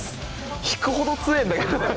引くほど強ぇんだけど。